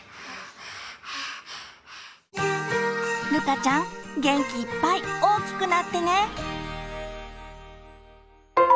かちゃん元気いっぱい大きくなってね。